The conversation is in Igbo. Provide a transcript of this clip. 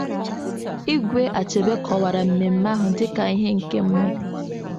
Igwe Achebe kọwara mmemme ahụ dịka ihe nke mmụọ